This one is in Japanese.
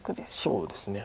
そうですね。